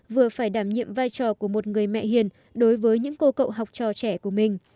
vừa phải đảm nhiệm vai trò của một người mẹ hiền đối với những cô cậu học trò trẻ của mình